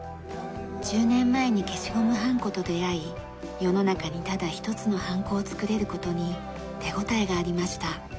１０年前に消しゴムはんこと出会い世の中にただ一つのはんこを作れる事に手応えがありました。